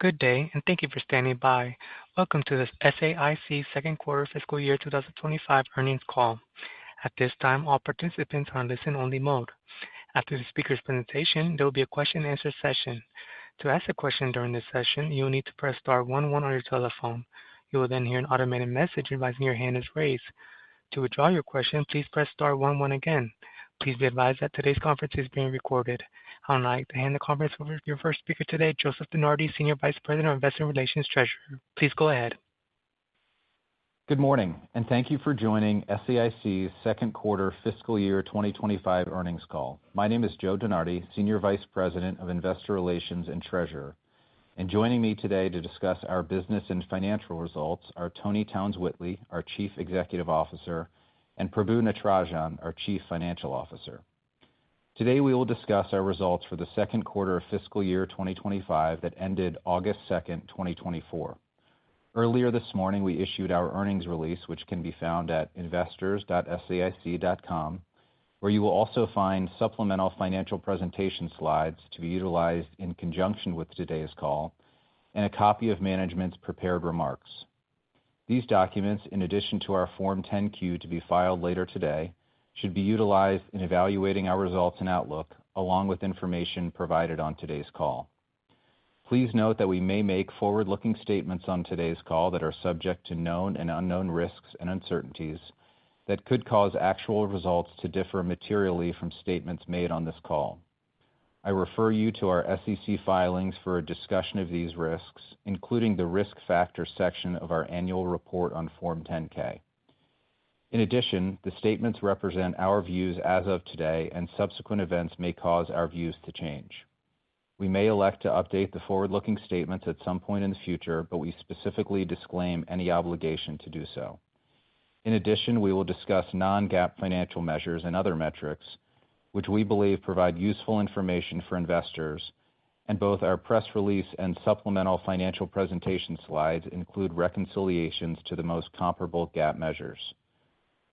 Good day, and thank you for standing by. Welcome to the SAIC Second Quarter Fiscal Year 2025 Earnings Call. At this time, all participants are in listen-only mode. After the speaker's presentation, there will be a question-and-answer session. To ask a question during this session, you will need to press star one one on your telephone. You will then hear an automated message advising your hand is raised. To withdraw your question, please press star one one again. Please be advised that today's conference is being recorded. I would like to hand the conference over to your first speaker today, Joseph DeNardi, Senior Vice President of Investor Relations, Treasurer. Please go ahead. Good morning, and thank you for joining SAIC's Second Quarter Fiscal Year 2025 Earnings Call. My name is Joe DeNardi, Senior Vice President of Investor Relations and Treasurer, and joining me today to discuss our business and financial results are Toni Townes-Whitley, our Chief Executive Officer, and Prabhu Natarajan, our Chief Financial Officer. Today, we will discuss our results for the second quarter of fiscal year 2025 that ended August 2nd, 2024. Earlier this morning, we issued our earnings release, which can be found at investors.saic.com, where you will also find supplemental financial presentation slides to be utilized in conjunction with today's call and a copy of management's prepared remarks. These documents, in addition to our Form 10-Q to be filed later today, should be utilized in evaluating our results and outlook, along with information provided on today's call. Please note that we may make forward-looking statements on today's call that are subject to known and unknown risks and uncertainties that could cause actual results to differ materially from statements made on this call. I refer you to our SEC filings for a discussion of these risks, including the Risk Factors section of our annual report on Form 10-K. In addition, the statements represent our views as of today, and subsequent events may cause our views to change. We may elect to update the forward-looking statements at some point in the future, but we specifically disclaim any obligation to do so. In addition, we will discuss non-GAAP financial measures and other metrics, which we believe provide useful information for investors, and both our press release and supplemental financial presentation slides include reconciliations to the most comparable GAAP measures.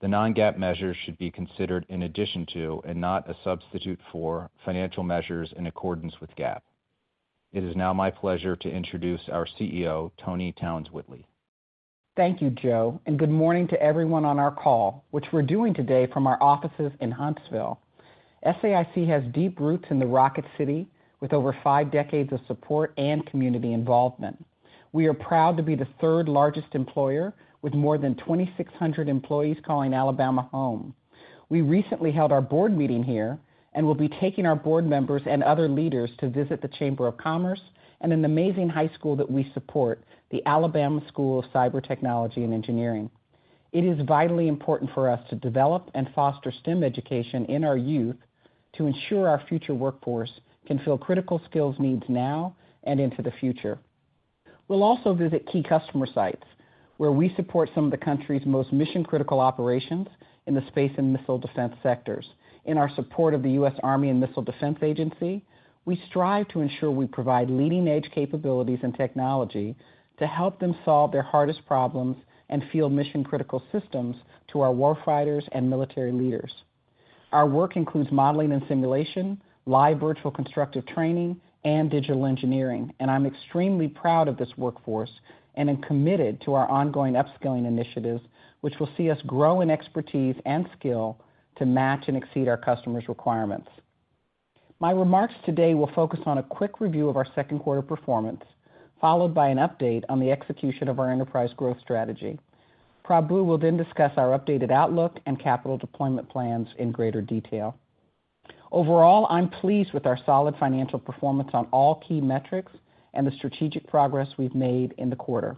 The non-GAAP measures should be considered in addition to, and not a substitute for, financial measures in accordance with GAAP. It is now my pleasure to introduce our CEO, Toni Townes-Whitley. Thank you, Joe, and good morning to everyone on our call, which we're doing today from our offices in Huntsville. SAIC has deep roots in the Rocket City, with over five decades of support and community involvement. We are proud to be the third-largest employer, with more than 2,600 employees calling Alabama home. We recently held our board meeting here and will be taking our board members and other leaders to visit the Chamber of Commerce and an amazing high school that we support, the Alabama School of Cyber Technology and Engineering. It is vitally important for us to develop and foster STEM education in our youth to ensure our future workforce can fill critical skills needs now and into the future. We'll also visit key customer sites, where we support some of the country's most mission-critical operations in the space and missile defense sectors. In our support of the U.S. Army and Missile Defense Agency, we strive to ensure we provide leading-edge capabilities and technology to help them solve their hardest problems and field mission-critical systems to our warfighters and military leaders. Our work includes modeling and simulation, live virtual constructive training, and digital engineering, and I'm extremely proud of this workforce and am committed to our ongoing upskilling initiatives, which will see us grow in expertise and skill to match and exceed our customers' requirements. My remarks today will focus on a quick review of our second quarter performance, followed by an update on the execution of our enterprise growth strategy. Prabhu will then discuss our updated outlook and capital deployment plans in greater detail. Overall, I'm pleased with our solid financial performance on all key metrics and the strategic progress we've made in the quarter.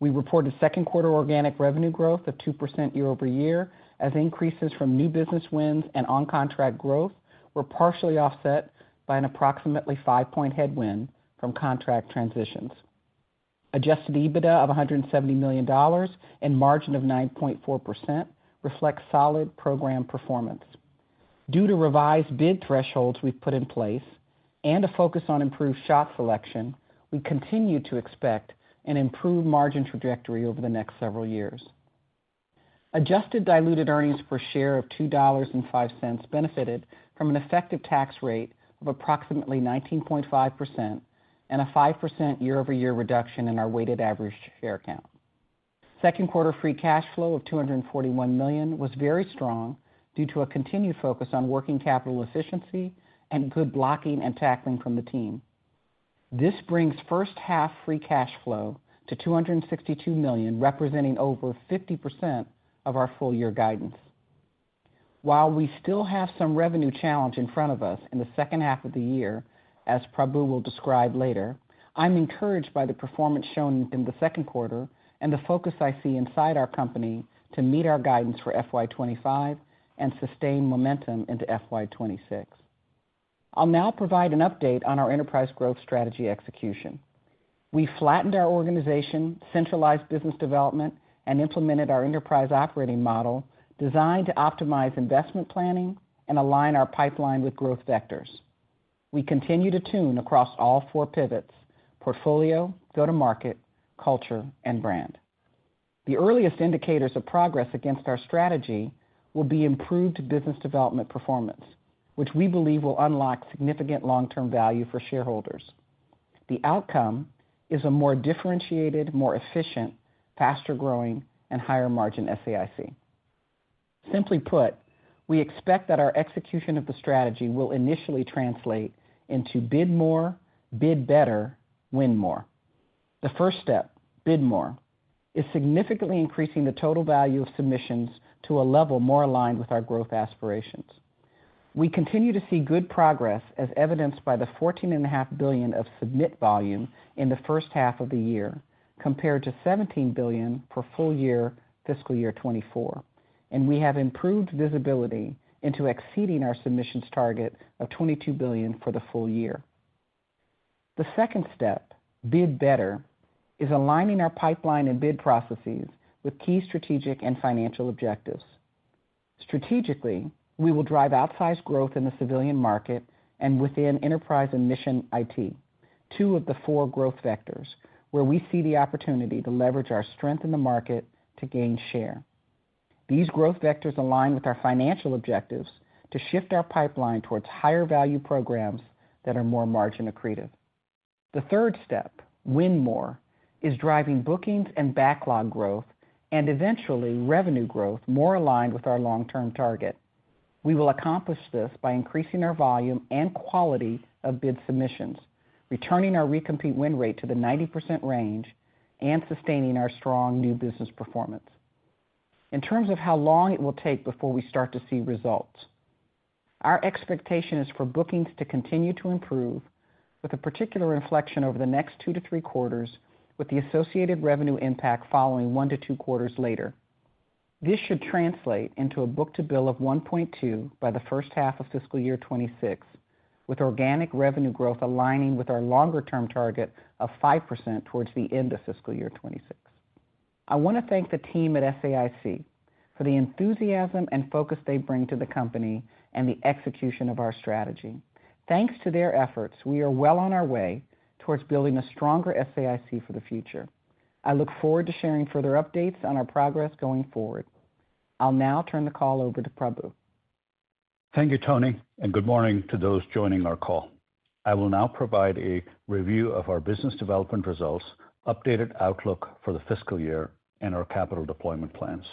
We reported second-quarter organic revenue growth of 2% year over year, as increases from new business wins and on-contract growth were partially offset by an approximately five-point headwind from contract transitions. Adjusted EBITDA of $170 million and margin of 9.4% reflects solid program performance. Due to revised bid thresholds we've put in place and a focus on improved shop selection, we continue to expect an improved margin trajectory over the next several years. Adjusted diluted earnings per share of $2.05 benefited from an effective tax rate of approximately 19.5% and a 5% year-over-year reduction in our weighted average share count. Second quarter free cash flow of $241 million was very strong due to a continued focus on working capital efficiency and good blocking and tackling from the team. This brings first-half free cash flow to $262 million, representing over 50% of our full-year guidance. While we still have some revenue challenge in front of us in the second half of the year, as Prabhu will describe later, I'm encouraged by the performance shown in the second quarter and the focus I see inside our company to meet our guidance for FY 2025 and sustain momentum into FY 2026. I'll now provide an update on our enterprise growth strategy execution. We flattened our organization, centralized business development, and implemented our enterprise operating model, designed to optimize investment planning and align our pipeline with growth vectors. We continue to tune across all four pivots: portfolio, go-to-market, culture, and brand. The earliest indicators of progress against our strategy will be improved business development performance, which we believe will unlock significant long-term value for shareholders. The outcome is a more differentiated, more efficient, faster-growing, and higher-margin SAIC. Simply put, we expect that our execution of the strategy will initially translate into bid more, bid better, win more. The first step, bid more, is significantly increasing the total value of submissions to a level more aligned with our growth aspirations. We continue to see good progress, as evidenced by the $14.5 billion of submission volume in the first half of the year, compared to $17 billion for full year fiscal year 2024, and we have improved visibility into exceeding our submissions target of $22 billion for the full year. The second step, bid better, is aligning our pipeline and bid processes with key strategic and financial objectives. Strategically, we will drive outsized growth in the civilian market and within enterprise and mission IT, two of the four growth vectors where we see the opportunity to leverage our strength in the market to gain share. These growth vectors align with our financial objectives to shift our pipeline towards higher-value programs that are more margin accretive. The third step, win more, is driving bookings and backlog growth and eventually revenue growth more aligned with our long-term target. We will accomplish this by increasing our volume and quality of bid submissions, returning our recompete win rate to the 90% range, and sustaining our strong new business performance. In terms of how long it will take before we start to see results, our expectation is for bookings to continue to improve with a particular inflection over the next two to three quarters, with the associated revenue impact following one to two quarters later. This should translate into a book-to-bill of 1.2 by the first half of fiscal year 2026, with organic revenue growth aligning with our longer-term target of 5% towards the end of fiscal year 2026. I want to thank the team at SAIC for the enthusiasm and focus they bring to the company and the execution of our strategy. Thanks to their efforts, we are well on our way towards building a stronger SAIC for the future. I look forward to sharing further updates on our progress going forward. I'll now turn the call over to Prabhu. Thank you, Toni, and good morning to those joining our call. I will now provide a review of our business development results, updated outlook for the fiscal year, and our capital deployment plans.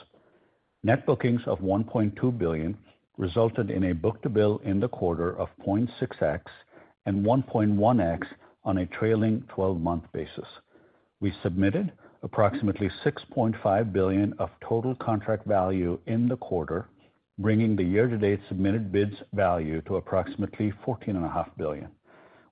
Net bookings of $1.2 billion resulted in a book-to-bill in the quarter of 0.6x and 1.1x on a trailing 12-month basis. We submitted approximately $6.5 billion of total contract value in the quarter, bringing the year-to-date submitted bids value to approximately $14.5 billion.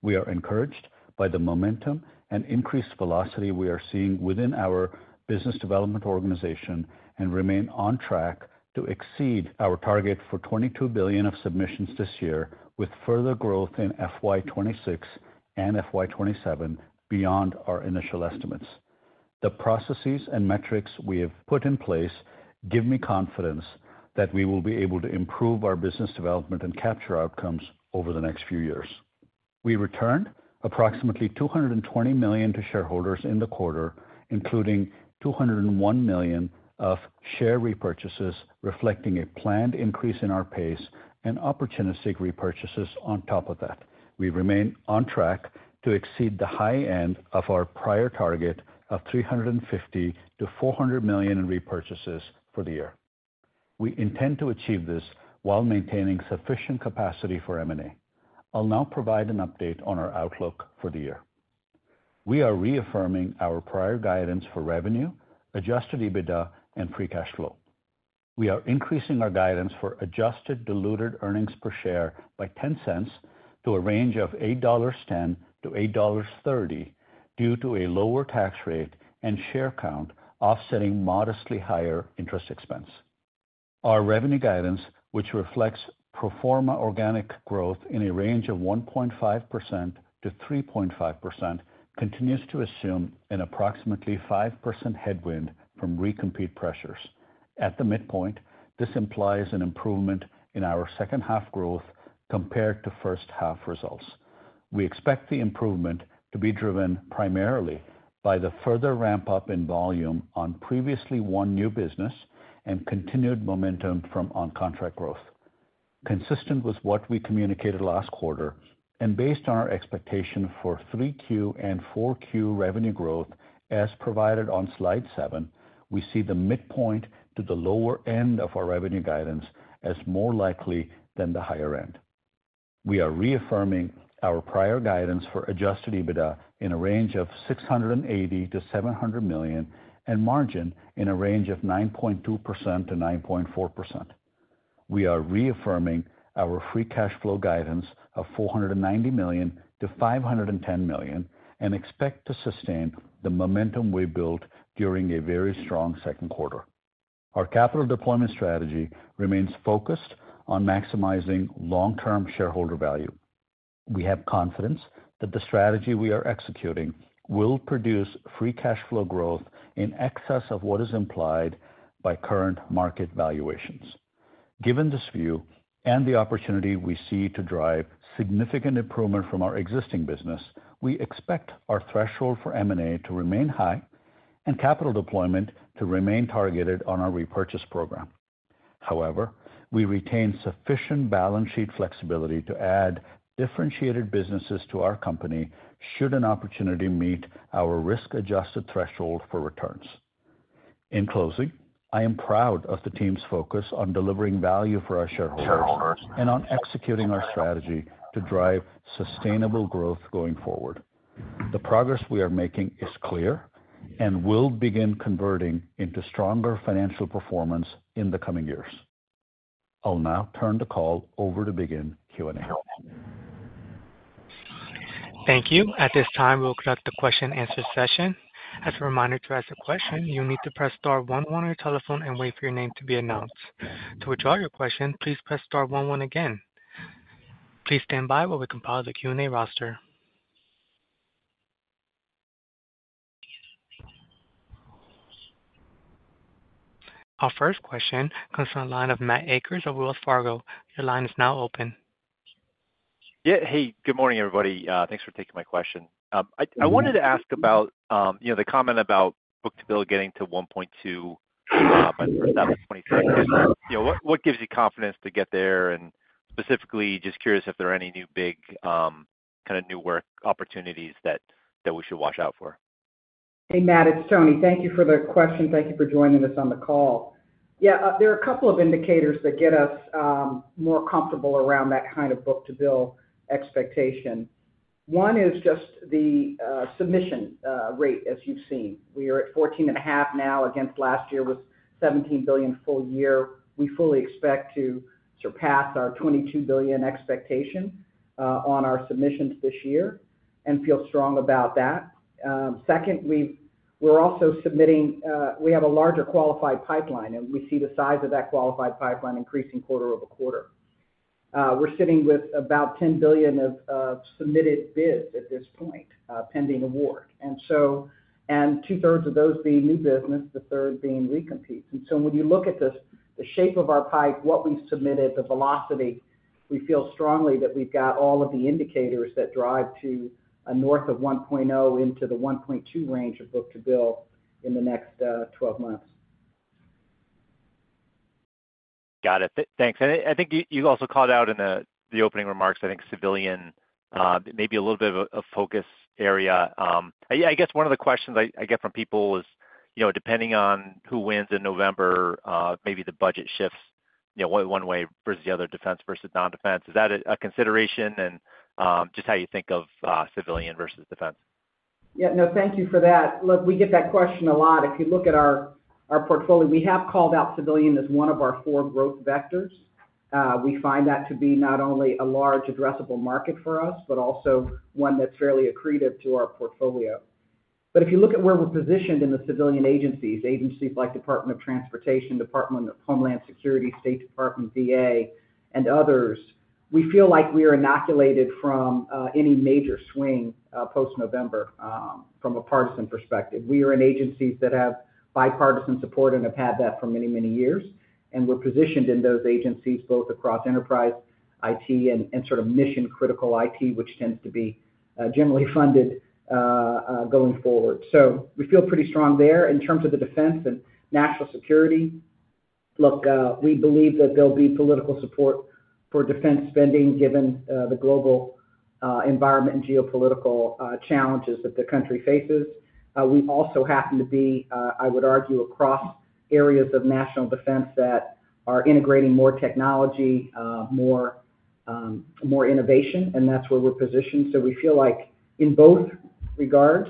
We are encouraged by the momentum and increased velocity we are seeing within our business development organization, and remain on track to exceed our target for $22 billion of submissions this year, with further growth in FY 2026 and FY 2027 beyond our initial estimates. The processes and metrics we have put in place give me confidence that we will be able to improve our business development and capture outcomes over the next few years. We returned approximately $220 million to shareholders in the quarter, including $201 million of share repurchases, reflecting a planned increase in our pace and opportunistic repurchases on top of that. We remain on track to exceed the high end of our prior target of $350 million-$400 million in repurchases for the year. We intend to achieve this while maintaining sufficient capacity for M&A. I'll now provide an update on our outlook for the year. We are reaffirming our prior guidance for revenue, Adjusted EBITDA, and Free Cash Flow. We are increasing our guidance for adjusted diluted earnings per share by $0.10 to a range of $8.10-$8.30 due to a lower tax rate and share count, offsetting modestly higher interest expense. Our revenue guidance, which reflects pro forma organic growth in a range of 1.5%-3.5%, continues to assume an approximately 5% headwind from recompete pressures. At the midpoint, this implies an improvement in our second half growth compared to first half results. We expect the improvement to be driven primarily by the further ramp-up in volume on previously won new business and continued momentum from on-contract growth. Consistent with what we communicated last quarter and based on our expectation for 3Q and 4Q revenue growth as provided on slide seven, we see the midpoint to the lower end of our revenue guidance as more likely than the higher end. We are reaffirming our prior guidance for Adjusted EBITDA in a range of $680 million-$700 million, and margin in a range of 9.2%-9.4%. We are reaffirming our free cash flow guidance of $490 million-$510 million and expect to sustain the momentum we built during a very strong second quarter. Our capital deployment strategy remains focused on maximizing long-term shareholder value. We have confidence that the strategy we are executing will produce free cash flow growth in excess of what is implied by current market valuations. Given this view and the opportunity we see to drive significant improvement from our existing business, we expect our threshold for M&A to remain high and capital deployment to remain targeted on our repurchase program. However, we retain sufficient balance sheet flexibility to add differentiated businesses to our company should an opportunity meet our risk-adjusted threshold for returns. In closing, I am proud of the team's focus on delivering value for our shareholders and on executing our strategy to drive sustainable growth going forward. The progress we are making is clear and will begin converting into stronger financial performance in the coming years. I'll now turn the call over to begin Q&A. Thank you. At this time, we'll conduct the question-and-answer session. As a reminder, to ask a question, you'll need to press star one on your telephone and wait for your name to be announced. To withdraw your question, please press star one one again. Please stand by while we compile the Q&A roster. Our first question comes from the line of Matt Akers of Wells Fargo. Your line is now open. Yeah. Hey, good morning, everybody. Thanks for taking my question. I wanted to ask about, you know, the comment about book-to-bill getting to 1.2 by the 2026. You know, what gives you confidence to get there? And specifically, just curious if there are any new big kind of new work opportunities that we should watch out for. Hey, Matt, it's Toni. Thank you for the question. Thank you for joining us on the call. Yeah, there are a couple of indicators that get us, more comfortable around that kind of book-to-bill expectation. One is just the, submission, rate, as you've seen. We are at 14.5 now, against last year, with $17 billion full year. We fully expect to surpass our $22 billion expectation, on our submissions this year and feel strong about that. Secondly, we're also submitting, we have a larger qualified pipeline, and we see the size of that qualified pipeline increasing quarter over quarter. We're sitting with about $10 billion of, submitted bids at this point, pending award. And so- and two thirds of those being new business, the third being recompetes. And so when you look at the shape of our pipe, what we've submitted, the velocity, we feel strongly that we've got all of the indicators that drive to a north of one point oh, into the one point two range of book-to-bill in the next 12 months. Got it. Thanks. And I think you also called out in the opening remarks, I think civilian, maybe a little bit of a focus area. Yeah, I guess one of the questions I get from people is, you know, depending on who wins in November, maybe the budget shifts, you know, one way versus the other, defense versus non-defense. Is that a consideration? And, just how you think of, civilian versus defense. Yeah. No, thank you for that. Look, we get that question a lot. If you look at our portfolio, we have called out civilian as one of our four growth vectors. We find that to be not only a large addressable market for us, but also one that's fairly accretive to our portfolio. But if you look at where we're positioned in the civilian agencies, agencies like Department of Transportation, Department of Homeland Security, State Department, DEA, and others, we feel like we are inoculated from any major swing post-November from a partisan perspective. We are in agencies that have bipartisan support and have had that for many, many years, and we're positioned in those agencies, both across enterprise IT and sort of mission-critical IT, which tends to be generally funded going forward. So we feel pretty strong there. In terms of the defense and national security, look, we believe that there'll be political support for defense spending, given, the global, environment and geopolitical, challenges that the country faces. We also happen to be, I would argue, across areas of national defense that are integrating more technology, more, more innovation, and that's where we're positioned. So we feel like in both regards,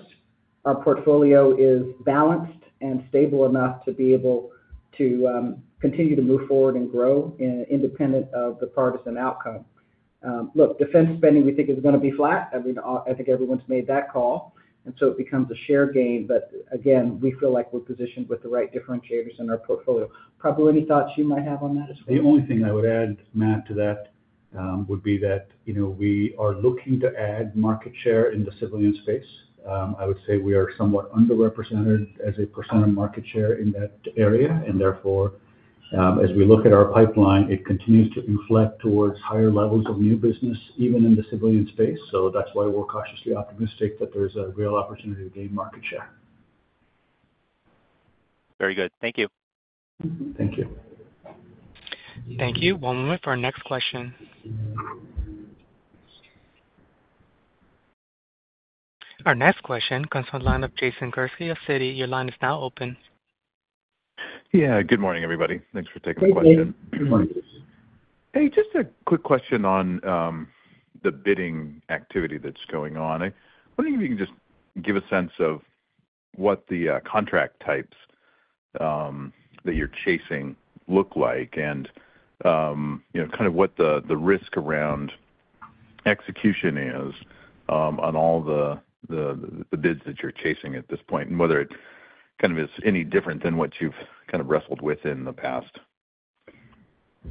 our portfolio is balanced and stable enough to be able to, continue to move forward and grow, independent of the partisan outcome. Look, defense spending, we think, is gonna be flat. I mean, I think everyone's made that call, and so it becomes a share gain. But again, we feel like we're positioned with the right differentiators in our portfolio. Prabhu, any thoughts you might have on that as well? The only thing I would add, Matt, to that, would be that, you know, we are looking to add market share in the civilian space. I would say we are somewhat underrepresented as a percent of market share in that area, and therefore, as we look at our pipeline, it continues to inflect towards higher levels of new business, even in the civilian space. So that's why we're cautiously optimistic that there's a real opportunity to gain market share. Very good. Thank you. Thank you. Thank you. One moment for our next question. Our next question comes to the line of Jason Gursky of Citi. Your line is now open. Yeah. Good morning, everybody. Thanks for taking the question. Good morning. Hey, just a quick question on the bidding activity that's going on. Wondering if you can just give a sense of what the contract types that you're chasing look like and, you know, kind of what the risk around execution is on all the bids that you're chasing at this point, and whether it kind of is any different than what you've kind of wrestled with in the past.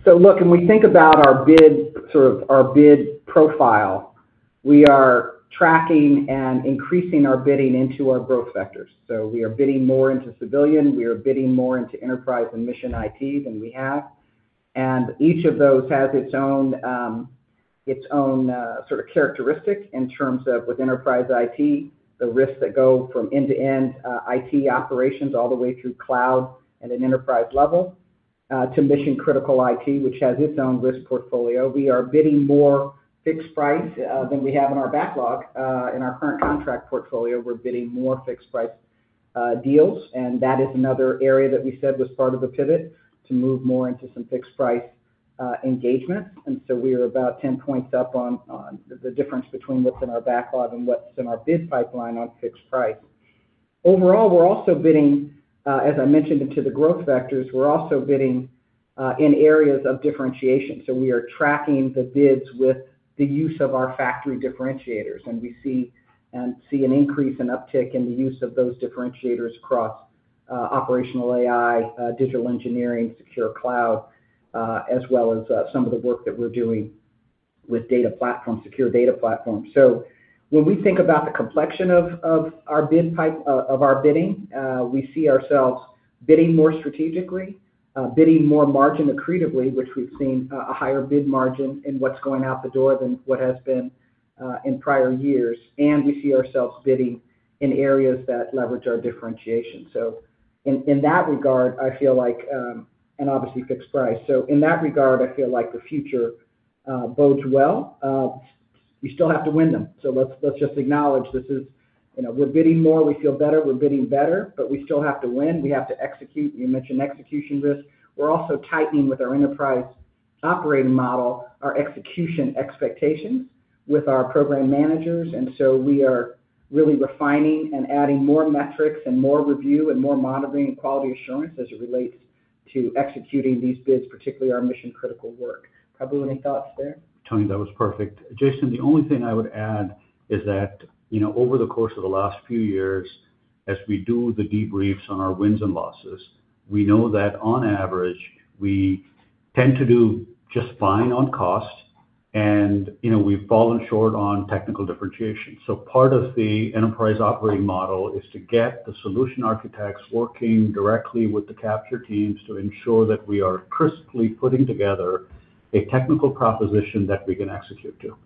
Look, when we think about our bid, sort of our bid profile, we are tracking and increasing our bidding into our growth vectors. We are bidding more into civilian, we are bidding more into Enterprise and Mission IT than we have. Each of those has its own sort of characteristic in terms of with Enterprise IT, the risks that go from end-to-end IT operations all the way through cloud at an enterprise level to mission-critical IT, which has its own risk portfolio. We are bidding more fixed-price than we have in our backlog. In our current contract portfolio, we're bidding more fixed-price deals, and that is another area that we said was part of the pivot to move more into some fixed-price engagements. We are about 10 points up on the difference between what's in our backlog and what's in our bid pipeline on fixed-price. Overall, we're also bidding, as I mentioned, into the growth vectors in areas of differentiation. We are tracking the bids with the use of our five differentiators, and we see an increase in uptick in the use of those differentiators across operational AI, digital engineering, secure cloud, as well as some of the work that we're doing with data platforms, secure data platforms. So when we think about the complexion of our bid type of our bidding, we see ourselves bidding more strategically, bidding more margin accretively, which we've seen a higher bid margin in what's going out the door than what has been in prior years. And we see ourselves bidding in areas that leverage our differentiation. So in that regard, I feel like. And obviously, fixed price. So in that regard, I feel like the future bodes well. We still have to win them. So let's just acknowledge this is, you know, we're bidding more, we feel better, we're bidding better, but we still have to win. We have to execute. You mentioned execution risk. We're also tightening with our enterprise operating model, our execution expectations with our program managers. And so we are really refining and adding more metrics and more review and more monitoring and quality assurance as it relates to executing these bids, particularly our mission-critical work. Prabhu, any thoughts there? Toni, that was perfect. Jason, the only thing I would add is that, you know, over the course of the last few years, as we do the debriefs on our wins and losses, we know that on average, we tend to do just fine on cost, and, you know, we've fallen short on technical differentiation. So part of the enterprise operating model is to get the solution architects working directly with the capture teams to ensure that we are crisply putting together a technical proposition that we can execute to.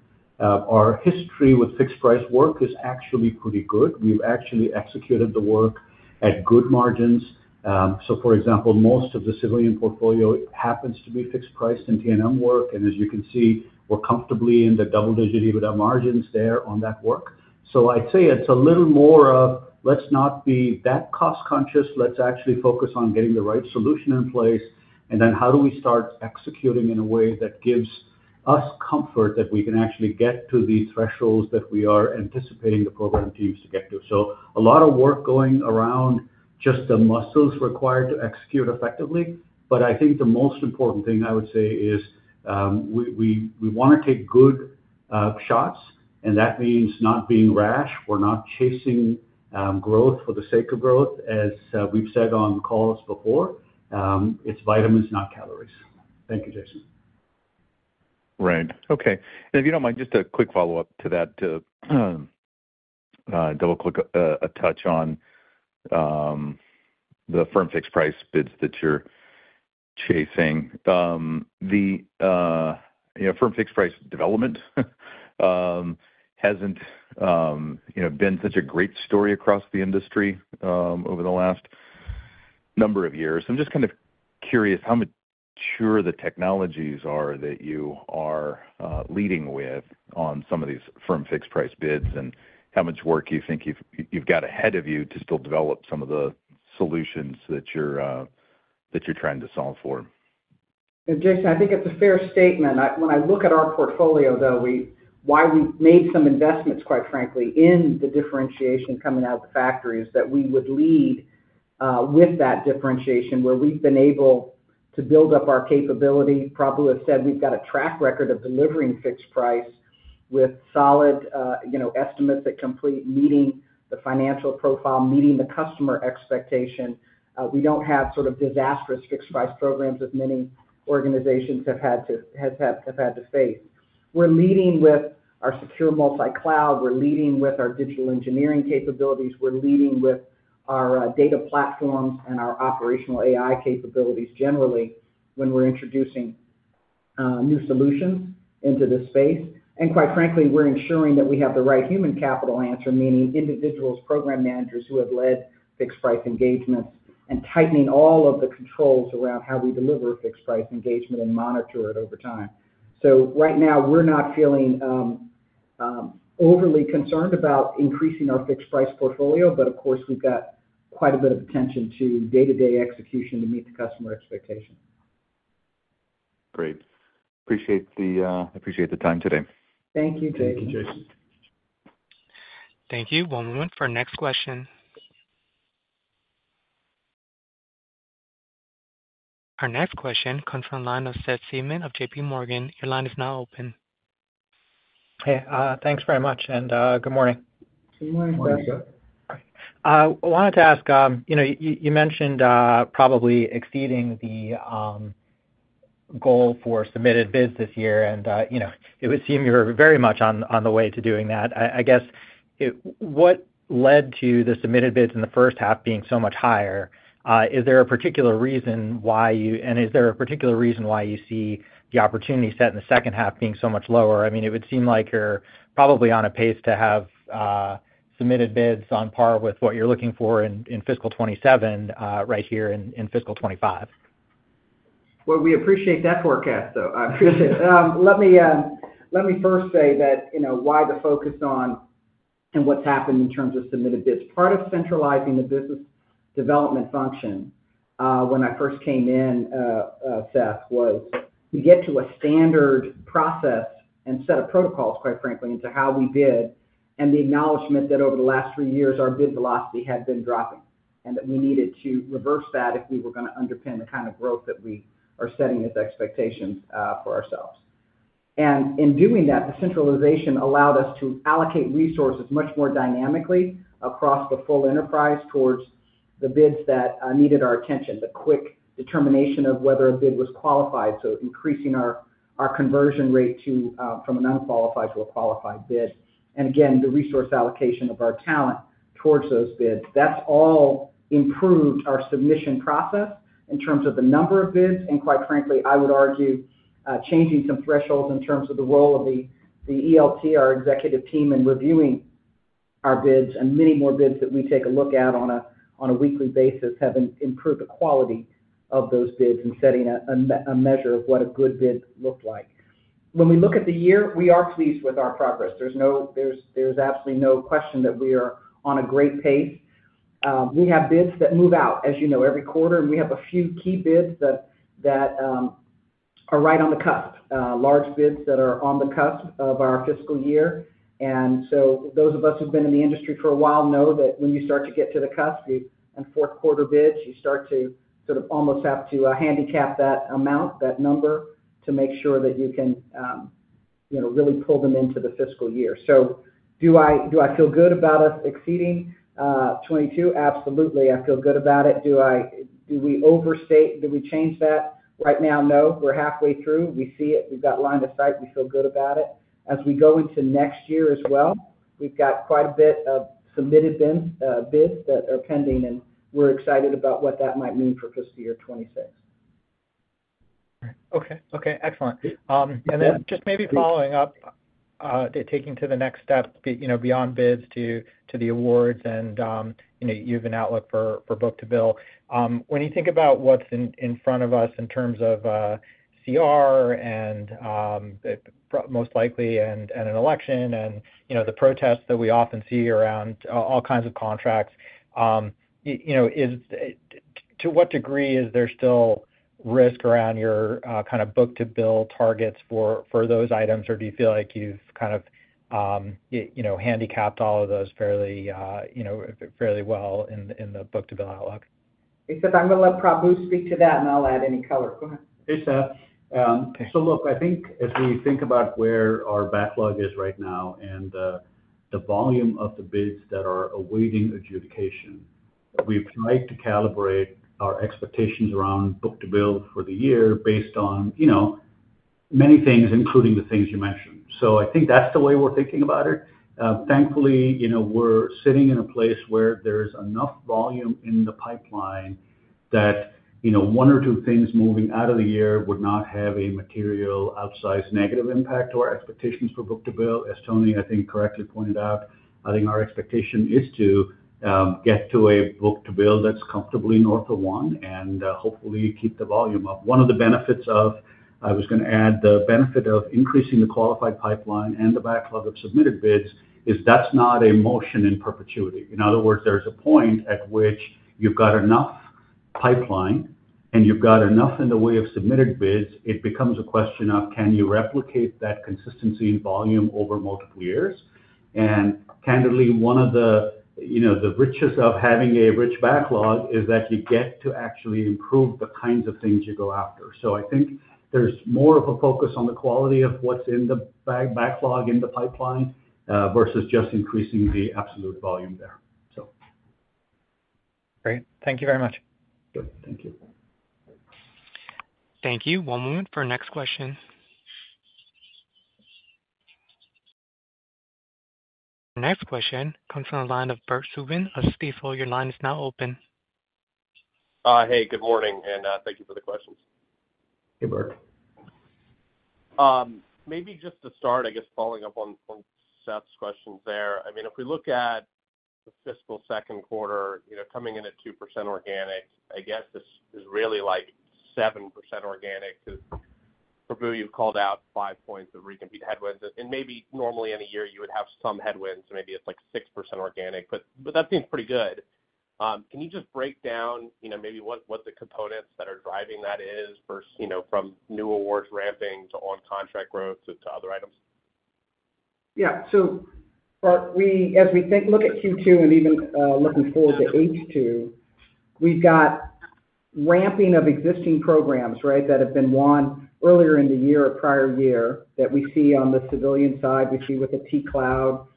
Our history with fixed-price work is actually pretty good. We've actually executed the work at good margins. So for example, most of the civilian portfolio happens to be fixed price in T&M work, and as you can see, we're comfortably in the double digit EBITDA margins there on that work. So I'd say it's a little more of, let's not be that cost conscious. Let's actually focus on getting the right solution in place, and then how do we start executing in a way that gives us comfort that we can actually get to the thresholds that we are anticipating the program teams to get to? So a lot of work going around, just the muscles required to execute effectively. But I think the most important thing I would say is, we wanna take good shots, and that means not being rash. We're not chasing growth for the sake of growth, as we've said on calls before, it's vitamins, not calories. Thank you, Jason. Right. Okay. And if you don't mind, just a quick follow-up to that to double-click a touch on the firm fixed price bids that you're chasing. The you know, firm fixed price development hasn't you know, been such a great story across the industry over the last number of years. I'm just kind of curious, how mature the technologies are that you are leading with on some of these firm fixed price bids, and how much work you think you've got ahead of you to still develop some of the solutions that you're trying to solve for? Jason, I think it's a fair statement. When I look at our portfolio, though, why we made some investments, quite frankly, in the differentiation coming out of the factory is that we would lead with that differentiation, where we've been able to build up our capability. Prabhu has said we've got a track record of delivering fixed-price with solid, you know, estimates that complete meeting the financial profile, meeting the customer expectation. We don't have sort of disastrous fixed-price programs as many organizations have had to face. We're leading with our secure multi-cloud, we're leading with our digital engineering capabilities, we're leading with our data platforms and our operational AI capabilities generally, when we're introducing new solutions into this space. And quite frankly, we're ensuring that we have the right human capital answer, meaning individuals, program managers who have led fixed-price engagements, and tightening all of the controls around how we deliver a fixed-price engagement and monitor it over time. So right now, we're not feeling overly concerned about increasing our fixed-price portfolio, but of course, we've got quite a bit of attention to day-to-day execution to meet the customer expectation. Great. Appreciate the time today. Thank you, Jason. Thank you, Jason. Thank you. One moment for our next question. Our next question comes from the line of Seth Seifman of JPMorgan. Your line is now open. Hey, thanks very much, and, good morning. Good morning, Seth. Good morning, Seth. I wanted to ask, you know, you mentioned probably exceeding the goal for submitted bids this year, and you know, it would seem you're very much on the way to doing that. I guess what led to the submitted bids in the first half being so much higher? Is there a particular reason why you see the opportunity set in the second half being so much lower? I mean, it would seem like you're probably on a pace to have submitted bids on par with what you're looking for in fiscal 2027, right here in fiscal 2025. We appreciate that forecast, though. Let me first say that, you know, why the focus on, and what's happened in terms of submitted bids. Part of centralizing the business development function, when I first came in, Seth, was to get to a standard process and set of protocols, quite frankly, into how we bid, and the acknowledgement that over the last three years, our bid velocity had been dropping, and that we needed to reverse that if we were gonna underpin the kind of growth that we are setting as expectations for ourselves. In doing that, the centralization allowed us to allocate resources much more dynamically across the full enterprise towards the bids that needed our attention. The quick determination of whether a bid was qualified, so increasing our conversion rate from an unqualified to a qualified bid. And again, the resource allocation of our talent towards those bids. That's all improved our submission process in terms of the number of bids, and quite frankly, I would argue changing some thresholds in terms of the role of the ELT, our executive team, in reviewing our bids, and many more bids that we take a look at on a weekly basis, have improved the quality of those bids and setting a measure of what a good bid looked like. When we look at the year, we are pleased with our progress. There's absolutely no question that we are on a great pace. We have bids that move out, as you know, every quarter, and we have a few key bids that are right on the cusp, large bids that are on the cusp of our fiscal year. And so those of us who've been in the industry for a while know that when you start to get to the cusp, on fourth quarter bids, you start to sort of almost have to handicap that amount, that number, to make sure that you can, you know, really pull them into the fiscal year. So do I feel good about us exceeding 22? Absolutely, I feel good about it. Do we overstate, do we change that? Right now, no. We're halfway through. We see it. We've got line of sight. We feel good about it. As we go into next year as well, we've got quite a bit of submitted bids that are pending, and we're excited about what that might mean for fiscal year 2026. Okay. Okay, excellent, and then just maybe following up, taking to the next step, you know, beyond bids to the awards and, you know, you have an outlook for book-to-bill. When you think about what's in front of us in terms of CR and it's most likely, and an election, and, you know, the protests that we often see around all kinds of contracts, you know, to what degree is there still risk around your kind of book-to-bill targets for those items? Or do you feel like you've kind of, you know, handicapped all of those fairly, you know, fairly well in the book-to-bill outlook? Hey, Seth, I'm gonna let Prabhu speak to that, and I'll add any color. Go ahead. Hey, Seth. So look, I think as we think about where our backlog is right now and the volume of the bids that are awaiting adjudication, we've tried to calibrate our expectations around book-to-bill for the year based on, you know, many things, including the things you mentioned. So I think that's the way we're thinking about it. Thankfully, you know, we're sitting in a place where there's enough volume in the pipeline that, you know, one or two things moving out of the year would not have a material, outsized, negative impact on our expectations for book-to-bill. As Toni, I think, correctly pointed out, I think our expectation is to get to a book-to-bill that's comfortably north of one and hopefully keep the volume up. One of the benefits of, I was gonna add, the benefit of increasing the qualified pipeline and the backlog of submitted bids is that's not a motion in perpetuity. In other words, there's a point at which you've got enough pipeline, and you've got enough in the way of submitted bids. It becomes a question of, can you replicate that consistency in volume over multiple years? And candidly, one of the, you know, the riches of having a rich backlog is that you get to actually improve the kinds of things you go after. So I think there's more of a focus on the quality of what's in the bag- backlog in the pipeline versus just increasing the absolute volume there, so. Great. Thank you very much. Sure, thank you. Thank you. One moment for next question. Next question comes from the line of Bert Subin of Stifel. Your line is now open. Hey, good morning, and thank you for the questions. Hey, Bert. Maybe just to start, I guess, following up on Seth's questions there. I mean, if we look at the fiscal second quarter, you know, coming in at 2% organic, I guess this is really like 7% organic. 'Cause Prabhu, you've called out five points of recompete headwinds, and maybe normally in a year you would have some headwinds, so maybe it's like 6% organic, but that seems pretty good. Can you just break down, you know, maybe what the components that are driving that is versus, you know, from new awards ramping to on-contract growth to other items? Yeah. So but we, as we think, look at Q2 and even looking forward to H2, we've got ramping of existing programs, right? That have been won earlier in the year or prior year, that we see on the civilian side, we see with the T-Cloud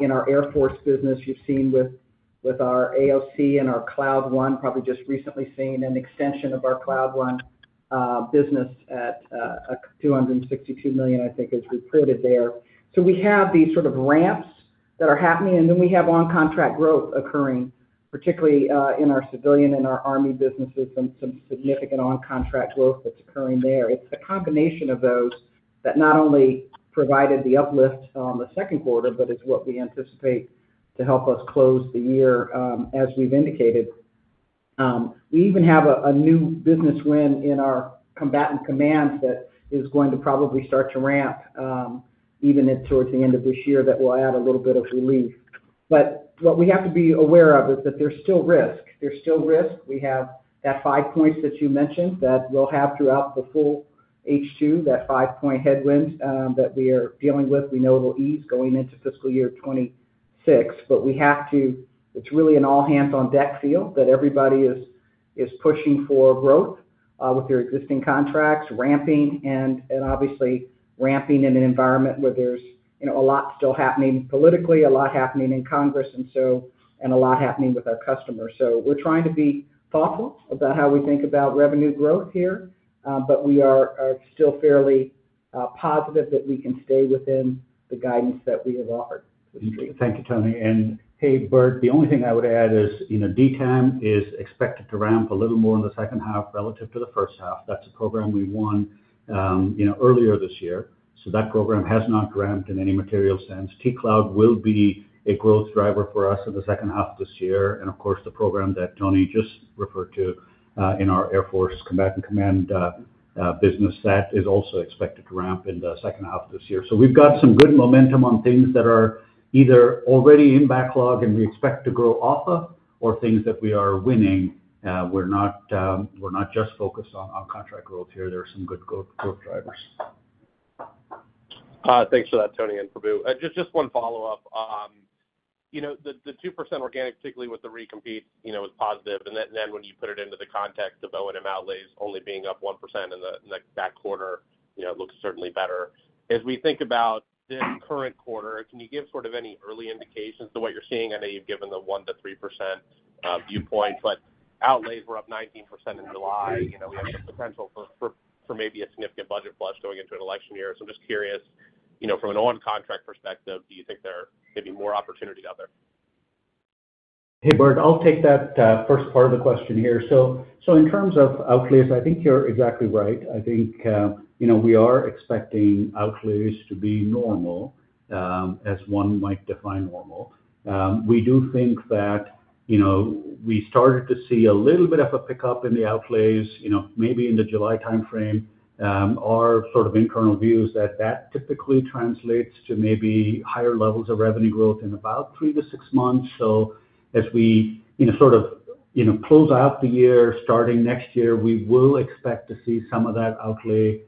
in our Air Force business. You've seen with our AOC and our Cloud One, probably just recently seeing an extension of our Cloud One business at $262 million, I think, as we put it there. So we have these sort of ramps that are happening, and then we have on-contract growth occurring, particularly in our civilian and our Army businesses, and some significant on-contract growth that's occurring there. It's a combination of those that not only provided the uplift on the second quarter, but it's what we anticipate to help us close the year, as we've indicated. We even have a new business win in our combatant commands that is going to probably start to ramp, even if towards the end of this year, that will add a little bit of relief. But what we have to be aware of is that there's still risk. There's still risk. We have that five points that you mentioned, that we'll have throughout the full H2, that five-point headwind, that we are dealing with. We know it'll ease going into fiscal year 2026, but we have to. It's really an all-hands-on-deck feel that everybody is pushing for growth with their existing contracts, ramping, and obviously ramping in an environment where there's, you know, a lot still happening politically, a lot happening in Congress, and so, and a lot happening with our customers. We're trying to be thoughtful about how we think about revenue growth here, but we are still fairly positive that we can stay within the guidance that we have offered. Thank you, Toni. And hey, Bert, the only thing I would add is, you know, DTAM is expected to ramp a little more in the second half relative to the first half. That's a program we won, you know, earlier this year, so that program has not ramped in any material sense. T-Cloud will be a growth driver for us in the second half of this year, and of course, the program that Toni just referred to in our Air Force Combatant Command business, that is also expected to ramp in the second half of this year. So we've got some good momentum on things that are either already in backlog and we expect to grow off of or things that we are winning. We're not just focused on on-contract growth here. There are some good growth drivers. Thanks for that, Toni and Prabhu. Just one follow-up. You know, the 2% organic, particularly with the recompete, you know, is positive, and then when you put it into the context of O&M outlays only being up 1% in that quarter, you know, it looks certainly better. As we think about this current quarter, can you give sort of any early indications to what you're seeing? I know you've given the 1%-3% viewpoint, but outlays were up 19% in July. You know, we have the potential for maybe a significant budget flush going into an election year. So I'm just curious, you know, from an on-contract perspective, do you think there may be more opportunity out there? Hey, Bert, I'll take that first part of the question here. So in terms of outlays, I think you're exactly right. I think you know we are expecting outlays to be normal as one might define normal. We do think that you know we started to see a little bit of a pickup in the outlays you know maybe in the July time frame. Our sort of internal view is that that typically translates to maybe higher levels of revenue growth in about three to six months. So as we you know sort of you know close out the year starting next year we will expect to see some of that outlay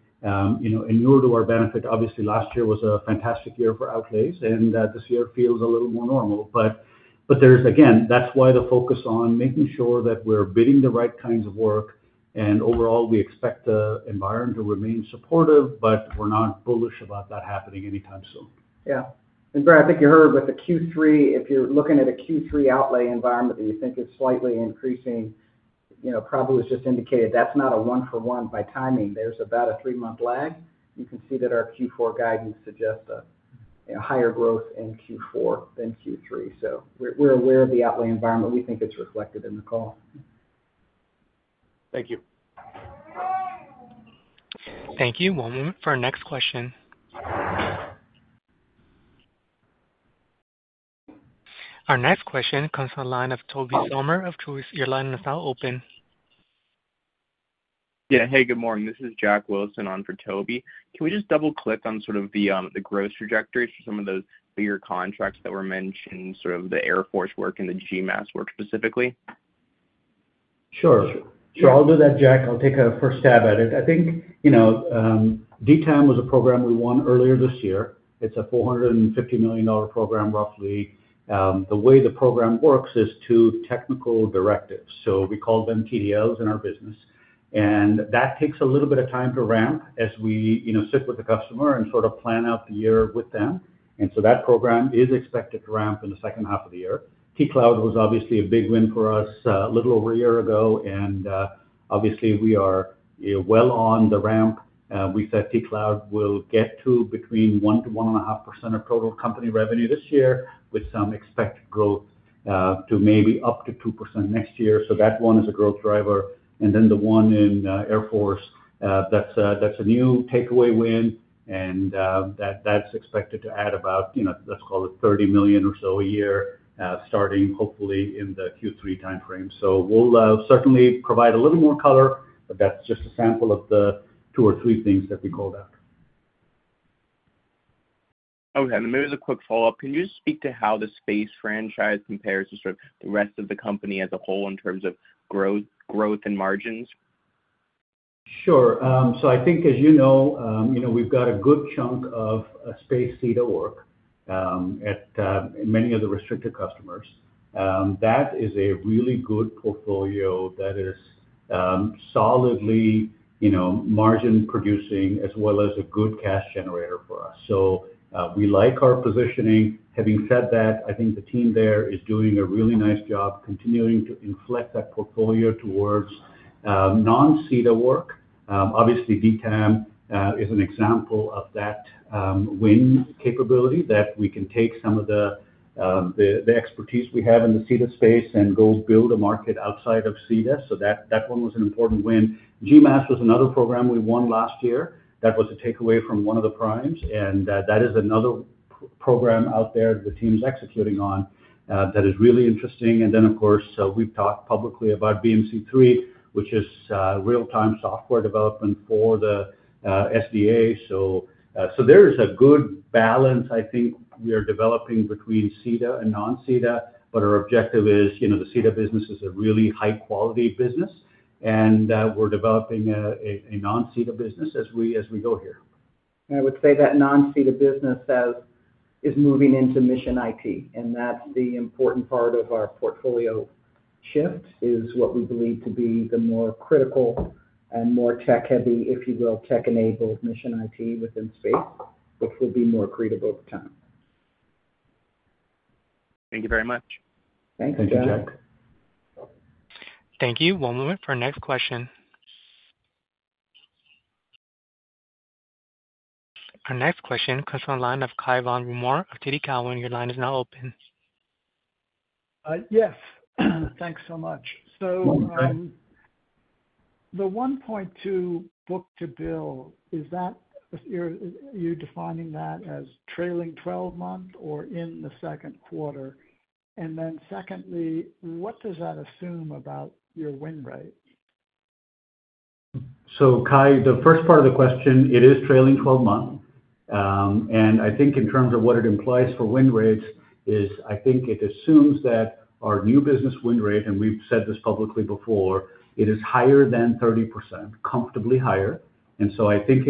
you know inure to our benefit. Obviously last year was a fantastic year for outlays and this year feels a little more normal. But there's, again, that's why the focus on making sure that we're bidding the right kinds of work, and overall, we expect the environment to remain supportive, but we're not bullish about that happening anytime soon. Yeah. And Bert, I think you heard with the Q3, if you're looking at a Q3 outlay environment that you think is slightly increasing, you know, Prabhu has just indicated, that's not a one-for-one by timing. There's about a three-month lag. You can see that our Q4 guidance suggests a, you know, higher growth in Q4 than Q3. So we're aware of the outlay environment. We think it's reflected in the call. Thank you. Thank you. One moment for our next question. Our next question comes from the line of Toby Sommer of Truist. Your line is now open. Yeah. Hey, good morning. This is Jack Wilson on for Toby. Can we just double-click on sort of the growth trajectories for some of those bigger contracts that were mentioned, sort of the Air Force work and the GMASS work specifically? Sure. Sure, I'll do that, Jack. I'll take a first stab at it. I think, you know, DTAM was a program we won earlier this year. It's a $450 million program, roughly. The way the program works is two technical directives, so we call them TDLs in our business, and that takes a little bit of time to ramp as we, you know, sit with the customer and sort of plan out the year with them. And so that program is expected to ramp in the second half of the year. T-Cloud was obviously a big win for us, a little over a year ago, and, obviously, we are well on the ramp. We said T-Cloud will get to between 1%-1.5% of total company revenue this year, with some expected growth, to maybe up to 2% next year. So that one is a growth driver. And then the one in, Air Force, that's a, that's a new takeaway win, and, that's expected to add about, you know, let's call it $30 million or so a year, starting hopefully in the Q3 time frame. So we'll, certainly provide a little more color, but that's just a sample of the two or three things that we called out. Okay, and maybe as a quick follow-up, can you just speak to how the space franchise compares to sort of the rest of the company as a whole in terms of growth, growth and margins? Sure. So I think, as you know, you know, we've got a good chunk of space C2 work at many of the restricted customers. That is a really good portfolio that is solidly, you know, margin producing, as well as a good cash generator for us. So we like our positioning. Having said that, I think the team there is doing a really nice job continuing to inflect that portfolio towards non-SETA work. Obviously, DTAM is an example of that win capability, that we can take some of the expertise we have in the SETA space and go build a market outside of SETA. So that one was an important win. GMASS was another program we won last year. That was a takeaway from one of the primes, and that is another program out there the team's executing on that is really interesting. And then, of course, we've talked publicly about BMC3, which is real-time software development for the SDA. So there's a good balance I think we are developing between SETA and non-SETA, but our objective is, you know, the SETA business is a really high-quality business, and we're developing a non-SETA business as we go here. I would say that non-SETA business is moving into Mission IT, and that's the important part of our portfolio shift, is what we believe to be the more critical and more tech-heavy, if you will, tech-enabled Mission IT within space, which will be more accretive over time. Thank you very much. Thank you, Jack. Thank you, Jack. Thank you. One moment for our next question. Our next question comes from the line of Kai Von Rumohr of TD Cowen. Your line is now open. Yes. Thanks so much. So, the 1.2 book-to-bill, is that... are you defining that as trailing twelve-month or in the second quarter? And then secondly, what does that assume about your win rate? So, Kai, the first part of the question, it is trailing 12 months. And I think in terms of what it implies for win rates is, I think it assumes that our new business win rate, and we've said this publicly before, it is higher than 30%, comfortably higher. And so I think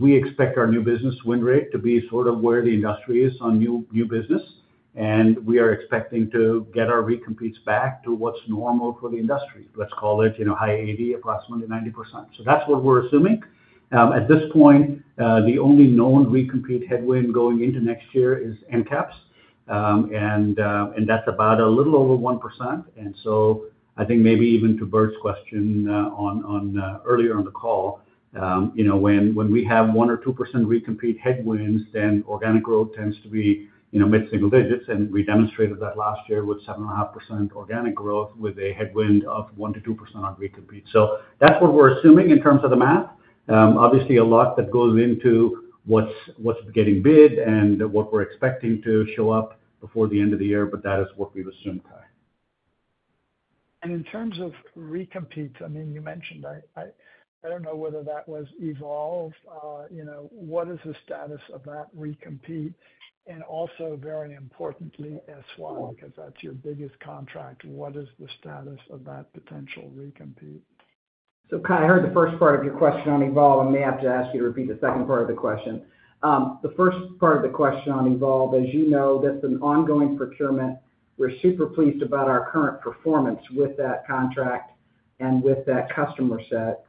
we expect our new business win rate to be sort of where the industry is on new business, and we are expecting to get our recompetes back to what's normal for the industry. Let's call it, you know, high 80s, approximately 90%. So that's what we're assuming. At this point, the only known recompete headwind going into next year is NCAPS. And that's about a little over 1%. And so I think maybe even to Bert's question, on earlier on the call, you know, when we have 1% or 2% recompete headwinds, then organic growth tends to be, you know, mid single digits, and we demonstrated that last year with 7.5% organic growth, with a headwind of 1%-2% on recompete. So that's what we're assuming in terms of the math. Obviously, a lot that goes into what's getting bid and what we're expecting to show up before the end of the year, but that is what we've assumed, Kai. In terms of recompete, I mean, you mentioned I don't know whether that was Evolve, you know, what is the status of that recompete? And also, very importantly, S1, because that's your biggest contract, what is the status of that potential recompete? So, Kai, I heard the first part of your question on Evolve. I may have to ask you to repeat the second part of the question. The first part of the question on Evolve, as you know, that's an ongoing procurement. We're super pleased about our current performance with that contract and with that customer set.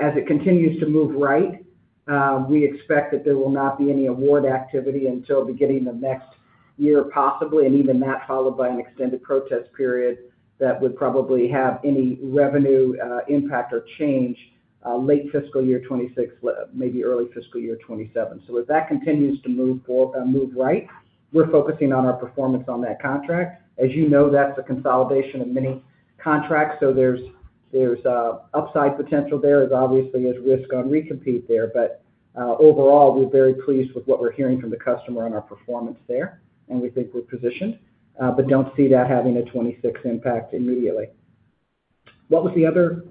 As it continues to move right, we expect that there will not be any award activity until beginning of next year, possibly, and even that followed by an extended protest period that would probably have any revenue impact or change late fiscal year 2026, maybe early fiscal year 2027. So as that continues to move right, we're focusing on our performance on that contract. As you know, that's a consolidation of many contracts, so there's upside potential there. There's obviously, there's risk on recompete there. But, overall, we're very pleased with what we're hearing from the customer on our performance there, and we think we're positioned, but don't see that having a 2026 impact immediately. What was the other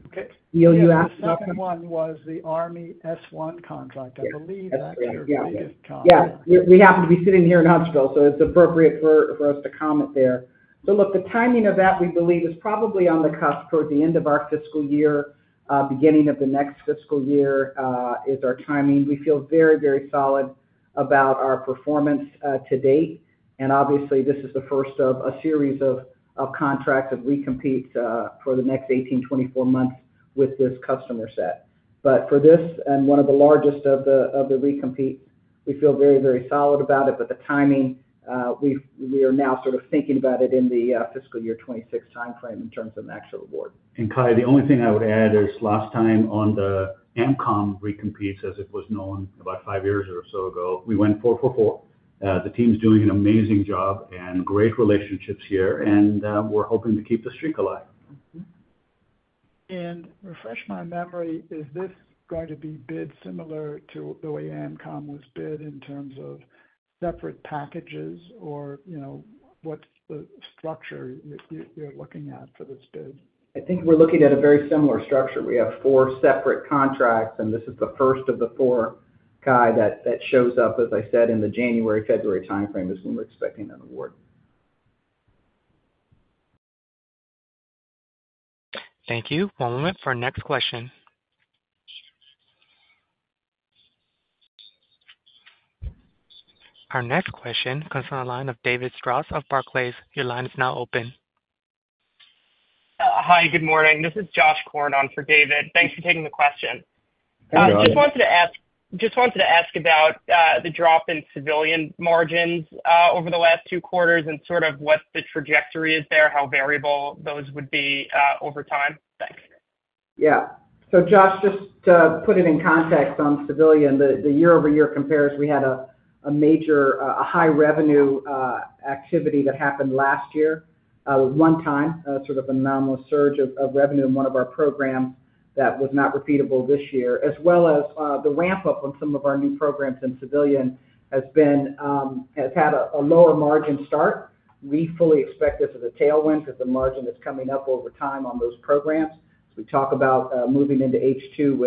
deal you asked about? The second one was the Army S1 contract. I believe that you're- Yeah. We happen to be sitting here in Huntsville, so it's appropriate for us to comment there. So look, the timing of that we believe is probably on the cusp towards the end of our fiscal year, beginning of the next fiscal year, is our timing. We feel very, very solid about our performance to date, and obviously, this is the first of a series of contracts of recompete for the next eighteen, 24 months with this customer set. But for this and one of the largest of the recompete, we feel very, very solid about it, but the timing, we are now sort of thinking about it in the fiscal year 2026 timeframe in terms of an actual award. Kai, the only thing I would add is, last time on the AMCOM recompetes, as it was known about five years or so ago, we went four for four. The team's doing an amazing job and great relationships here, and, we're hoping to keep the streak alive. Mm-hmm. And refresh my memory, is this going to be bid similar to the way AMCOM was bid in terms of separate packages, or, you know, what's the structure that you, you're looking at for this bid? I think we're looking at a very similar structure. We have four separate contracts, and this is the first of the four, Kai, that shows up, as I said, in the January, February timeframe, is when we're expecting an award. Thank you. One moment for our next question. Our next question comes from the line of David Strauss of Barclays. Your line is now open. Hi, good morning. This is Josh Corn on for David. Thanks for taking the question. Hey, Josh. Just wanted to ask about the drop in civilian margins over the last two quarters and sort of what the trajectory is there, how variable those would be over time? Thanks. Yeah. So Josh, just to put it in context on civilian, the year-over-year compares, we had a major, a high revenue activity that happened last year, one time, a sort of an anomalous surge of revenue in one of our programs that was not repeatable this year. As well as, the ramp-up on some of our new programs in civilian has been, has had a lower margin start. We fully expect this as a tailwind, as the margin is coming up over time on those programs. As we talk about, moving into H2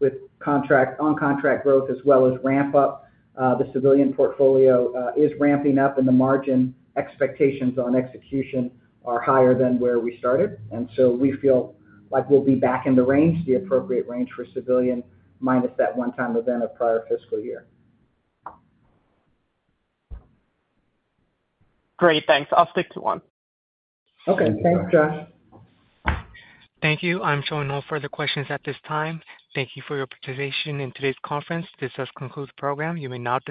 with contract-on-contract growth as well as ramp up, the civilian portfolio is ramping up, and the margin expectations on execution are higher than where we started. We feel like we'll be back in the range, the appropriate range for civilian, minus that one-time event of prior fiscal year. Great, thanks. I'll stick to one. Okay. Thanks, Josh. Thank you. I'm showing no further questions at this time. Thank you for your participation in today's conference. This does conclude the program. You may now disconnect.